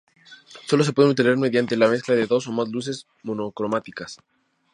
Sólo pueden obtenerse mediante la mezcla de dos o más luces monocromáticas.